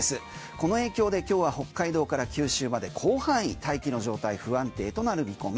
この影響で今日は北海道から九州の広範囲で大気の状態不安定となる見込み。